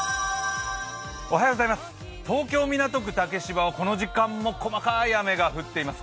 東京・港区竹芝はこの時間も細かい雨が降っています。